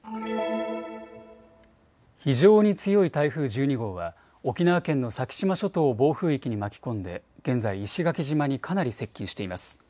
非常に強い台風１２号は沖縄県の先島諸島を暴風域に巻き込んで現在、石垣島にかなり接近しています。